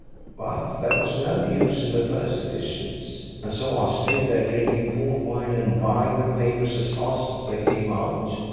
But there was no news in the first editions, and so I stayed there, drinking port wine and buying the papers as fast as they came out.